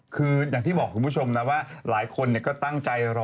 คืออย่างที่บอกคุณผู้ชมนะว่าหลายคนก็ตั้งใจรอ